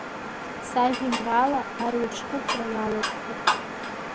Сажәеинраала арҩаш хыҵра иаларшәуп…